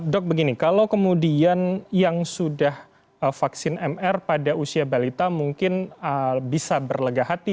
dok begini kalau kemudian yang sudah vaksin mr pada usia balita mungkin bisa berlegah hati